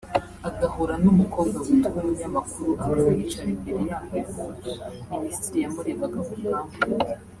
agahura n’umukobwa witwa umunyamakuru akamwicara imbere yambaye ku buryo Minisitiri yamurebaga ku bwambure bwe